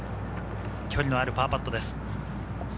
距離のあるパーパットです。